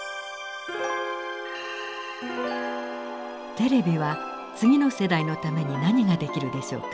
テレビは次の世代のために何ができるでしょうか。